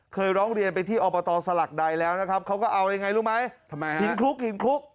เคยร้องเรียนไปที่ออปฏศลักษณ์ใดแล้วเขาก็เอาอะไรรู้ไหม